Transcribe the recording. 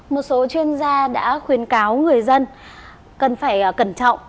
một số chuyên gia đã khuyến cáo người dân cần phải cẩn trọng